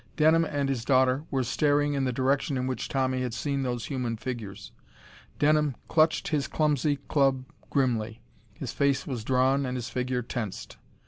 Denham and his daughter were staring in the direction in which Tommy had seen those human figures. Denham clutched his clumsy club grimly. His face was drawn and his figure tensed.